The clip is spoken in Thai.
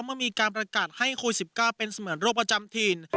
เมื่อมีการประกาศให้โควิด๑๙เป็นเสมือนโรคประจำถิ่น